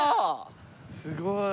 すごい。